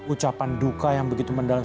ucapan duka yang begitu mendalam